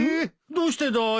どうしてだい？